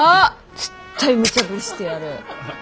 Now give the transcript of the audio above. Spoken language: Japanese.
絶対むちゃぶりしてやる！